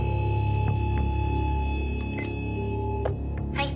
「はい」